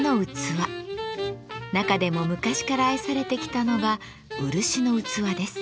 中でも昔から愛されてきたのが漆の器です。